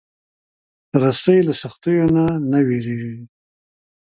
رسۍ له سختیو نه نه وېرېږي.